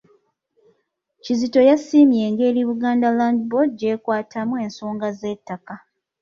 Kizito yasiimye engeri Buganda Land Board gy'ekwatamu ensonga z'ettaka.